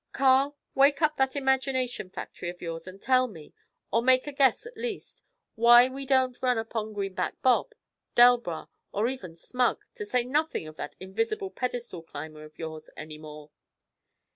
'Carl, wake up that imagination factory of yours and tell me, or make a guess at least, why we don't run upon Greenback Bob, Delbras, or even Smug, to say nothing of that invisible pedestal climber of yours, any more?'